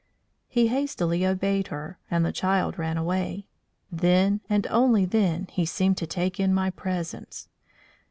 He hastily obeyed her, and the child ran away. Then, and only then, he seemed to take in my presence.